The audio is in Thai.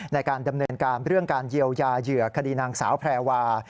ในการดำเนินการเรื่องการเยียวยาเหยื่อคดีนางสาวแพรวา